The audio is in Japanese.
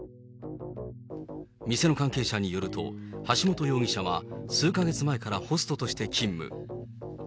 店の関係者によると、橋本容疑者は数か月前からホストとして勤務。